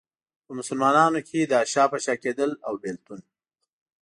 په مسلمانانو کې دا شا په شا کېدل او بېلتون.